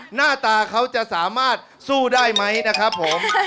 หน้าตาเขาจะสามารถสู้ได้ไหมนะครับผม